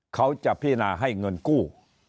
เขาจะพินาให้เงินกู้